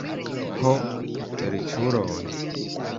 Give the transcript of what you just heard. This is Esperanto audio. Ho, feliĉuloj!